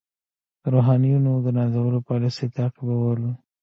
د روحانیونو د نازولو پالیسي تعقیبول.